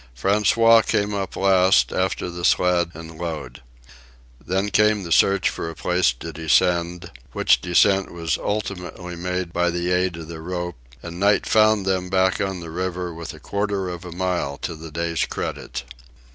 François came up last, after the sled and load. Then came the search for a place to descend, which descent was ultimately made by the aid of the rope, and night found them back on the river with a quarter of a mile to the day's credit.